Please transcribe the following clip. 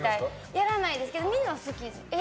やらないですけど見るのは好きです。